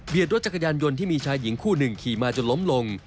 รถจักรยานยนต์ที่มีชายหญิงคู่หนึ่งขี่มาจนล้มลง